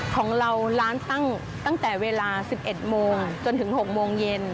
ของเราร้านตั้งตั้งแต่เวลา๑๑โมงจนถึง๖โมงเย็น